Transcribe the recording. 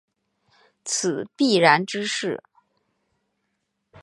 此必然之势。